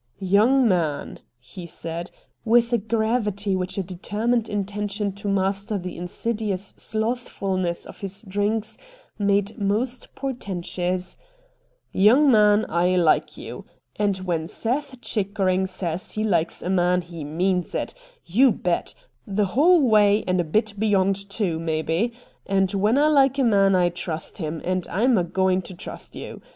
' Young man,' he said, with a gravity which a determined intention to master the insidious slothfulness of his drinks made most porten tous, ' young man, I like you ; and when Seth Chickering says he likes a man he means it, you bet, the whole way and a bit beyond too, mebbe. And where I like a man I trust him, and I'm a going to trust you.